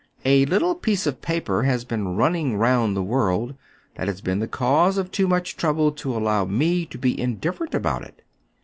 A little piece of paper has been running round the world that has been the cause of too much trouble to allow me to be indifferent about it.